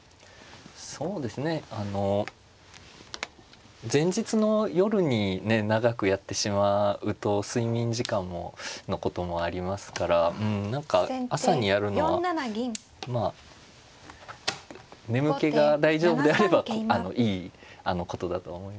そうですね前日の夜にね長くやってしまうと睡眠時間のこともありますから何か朝にやるのはまあ眠気が大丈夫であればあのいいことだとは思いますね。